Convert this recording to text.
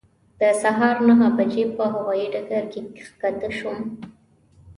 د سهار نهه بجې په هوایي ډګر کې کښته شوم.